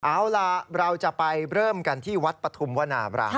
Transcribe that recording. เอาล่ะเราจะไปเริ่มกันที่วัดปฐุมวนาบราม